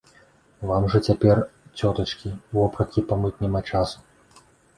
Вам жа цяпер, цётачкі, вопраткі памыць няма часу.